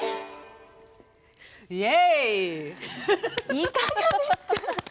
いかがですか。